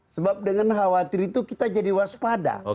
sebab dengan khawatir itu kita jadi waspada